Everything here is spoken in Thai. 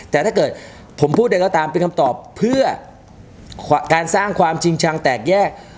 แต่ถ้าเกิดผมพูดอะไรก็ตามเป็นคำตอบเพื่อการสร้างความจริงชังแตกแยก